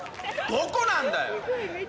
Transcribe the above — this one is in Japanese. どこなんだよ！